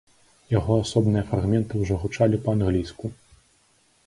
Яго асобныя фрагменты ўжо гучалі па-англійску.